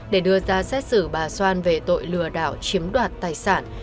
để đưa ra xét xử bà xoan về tội lừa đảo chiếm đoạt tài sản